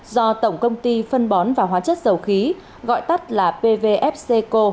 do tổng công ty phân bón và hóa chất dầu khí gọi tắt là pvfc